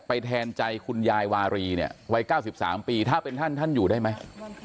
แทนใจคุณยายวารีเนี่ยวัย๙๓ปีถ้าเป็นท่านท่านอยู่ได้ไหม